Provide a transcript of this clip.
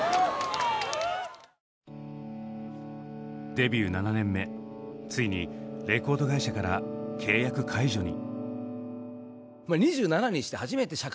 デビュー７年目ついにレコード会社から契約解除に。